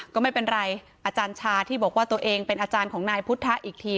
ก็ไม่เป็นไรอาจารย์ชาที่บอกว่าตัวเองเป็นอาจารย์ของนายพุทธะอีกที